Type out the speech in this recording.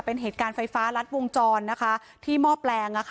เป็นเหตุการณ์ไฟฟ้ารัดวงจรนะคะที่หม้อแปลง